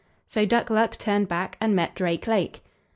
So Duck luck turned back, and met Drake lake.